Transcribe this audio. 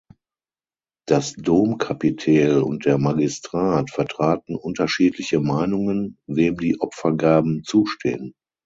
Das Domkapitel und der Magistrat vertraten unterschiedliche Meinungen, wem die Opfergaben zustehen.